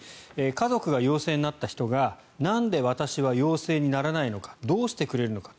家族が陽性になった人がなんで私は陽性にならないのかどうしてくれるのか。